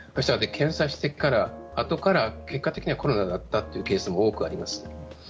検査してからあとから結果的にはコロナだったというケースも多くあります。